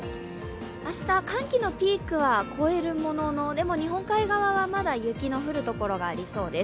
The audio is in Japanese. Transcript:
明日、寒気のピークは越えるものの、でも、日本海側はまだ雪の降るところがありそうです。